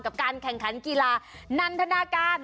กับการแข่งขันกีฬานันทนาการ